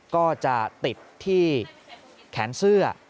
ก็จะติดที่แขนเสื้อ